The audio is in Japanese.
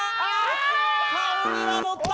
顔にはのった！